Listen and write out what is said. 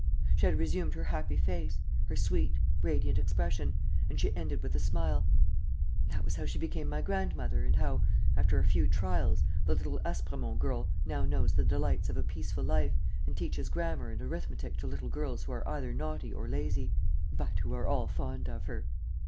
She had resumed her happy face, her sweet, radiant expression; and she ended, with a smile: "That was how she became my grandmother and how, after a few trials, the little Aspremont girl now knows the delights of a peaceful life and teaches grammar and arithmetic to little girls who are either naughty or lazy ... but who are all fond of her."